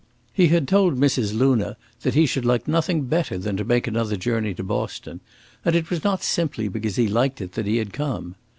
He had told Mrs. Luna that he should like nothing better than to make another journey to Boston; and it was not simply because he liked it that he had come.